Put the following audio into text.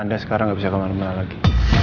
anda sekarang enggak bisa ke rumah rumah lagi